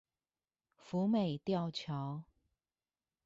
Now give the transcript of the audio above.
福美吊橋